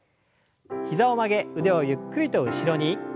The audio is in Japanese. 膝を曲げ腕をゆっくりと後ろに。